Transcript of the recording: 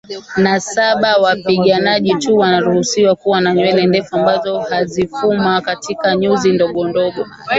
na saba Wapiganaji tu wanaruhusiwa kuwa na nywele ndefu ambazo huzifuma katika nyuzi ndogondogo